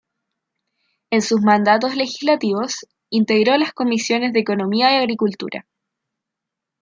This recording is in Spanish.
En sus mandatos legislativos, integró las comisiones de Economía y Agricultura.